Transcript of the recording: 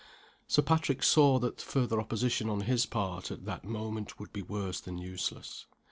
Sir Patrick saw that further opposition on his part, at that moment, would be worse than useless.